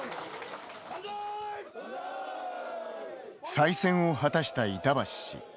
再選を果たした板橋氏。